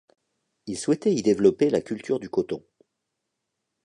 Il souhaitait y développer la culture du coton.